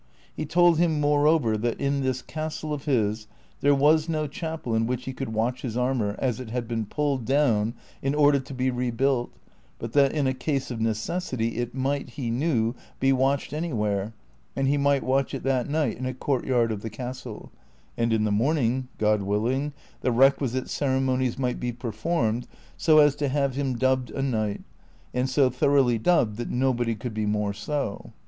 He told him, moreover, that in this castle of his there was no chapel in which he could watch his armor, as it had been pulled clown in order to be rebuilt, but that in a case of necessity it might, he knew, be watched anywhere, and he might watch it that night in a courtyard of the castle, and in the morning, God willing, the requisite ceremonies might be })er formed so as to have him dubbed a knight, and so thor(.)ughly dubbed that nobody could be more so.